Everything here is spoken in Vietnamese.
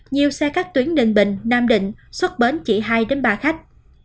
nhiều xe các tuyến ninh bình nam định xuất bến chỉ hai ba khách